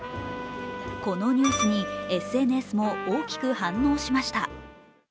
このニュースにＳＮＳも大きく反応しました。